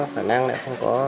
khả năng đã không có